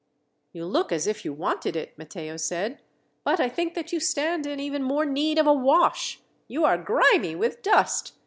"You look as if you wanted it," Matteo said; "but I think that you stand in even more need of a wash. You are grimy with dust.